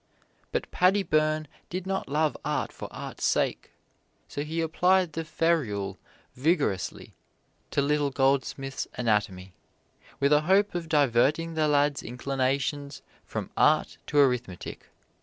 But Paddy Byrne did not love art for art's sake, so he applied the ferule vigorously to little Goldsmith's anatomy, with a hope of diverting the lad's inclinations from art to arithmetic.